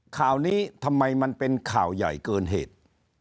ข่าวนี้ทำไมมันเป็นข่าวใหญ่เกินเหตุ